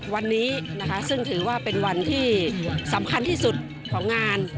วันนี้นะคะซึ่งถือว่าเป็นวันที่สำคัญที่สุดของงาน